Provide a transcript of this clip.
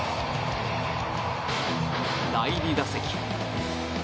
第２打席。